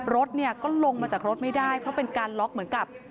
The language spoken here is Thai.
รถเนี่ยก็ลงมาจากรถไม่ได้เพราะเป็นการล็อกเหมือนกับ